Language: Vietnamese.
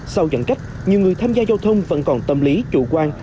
sau giãn cách nhiều người tham gia giao thông vẫn còn tâm lý chủ quan